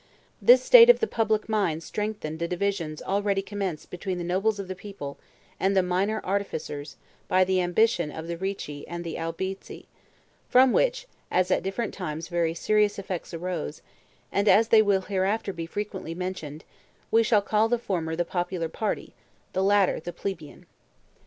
This state of the public mind strengthened the divisions already commenced between the nobles of the people, and the minor artificers, by the ambition of the Ricci and the Albizzi; from which, as at different times very serious effects arose, and as they will hereafter be frequently mentioned, we shall call the former the popular party, the latter the plebeian.